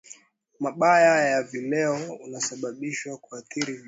mabaya ya vileo unaosababisha kuathirika vibaya kiafya au dhiki kama